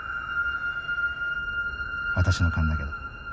私の勘だけど。